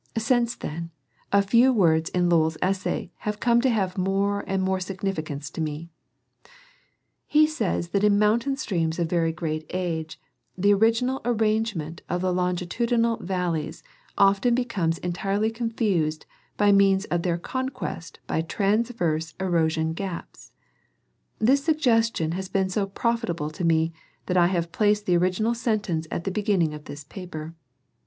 Since then, a few words in Lowl's essay have come to have more and more significance to me ; he says that in mountain systems of very great age, the original arrangement of the longitudinal valleys often becomes entirely confused by means of their conquest by transverse erosion gaps. This suggestion has been so profitable to me that I have placed the original sentence at the beginning of this paper.